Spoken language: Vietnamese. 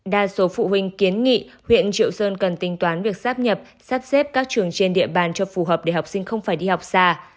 đa số phụ huynh kiến nghị huyện triệu sơn cần tính toán việc sắp nhập sắp xếp các trường trên địa bàn cho phù hợp để học sinh không phải đi học xa